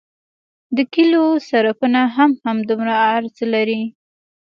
د کلیو سرکونه هم همدومره عرض لري